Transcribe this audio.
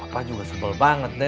pak juga sebel banget deb